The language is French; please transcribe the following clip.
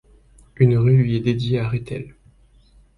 Une rue lui est dédiée à Rethel.